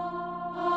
ああ。